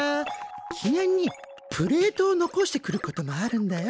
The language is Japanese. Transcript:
記念にプレートを残してくることもあるんだよ。